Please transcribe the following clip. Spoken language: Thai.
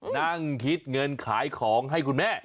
นั่งคิดเงินขายของให้คุณแม่